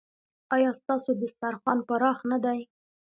ایا ستاسو دسترخوان پراخ نه دی؟